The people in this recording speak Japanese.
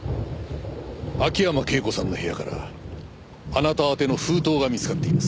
秋山圭子さんの部屋からあなたあての封筒が見つかっています。